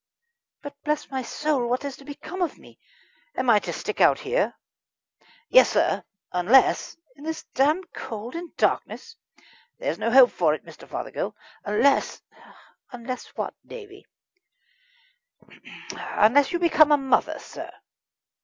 "But, bless my soul! what is to become of me? Am I to stick out here?" "Yes, sir, unless " "In this damp, and cold, and darkness?" "There is no help for it, Mr. Fothergill, unless " "Unless what, Davie?" "Unless you become a mother, sir!"